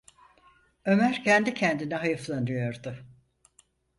Ömer kendi kendine hayıflanıyordu: